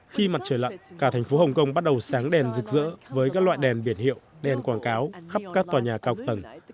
khi mặt trời lặng cả thành phố hồng kông bắt đầu sáng đèn rực rỡ với các loại đèn biển hiệu đèn quảng cáo khắp các tòa nhà cao tầng